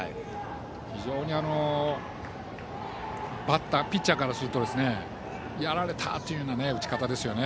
非常にピッチャーからするとやられた！というような打ち方です。